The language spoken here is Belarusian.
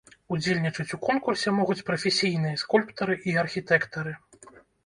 Удзельнічаць у конкурсе могуць прафесійныя скульптары і архітэктары.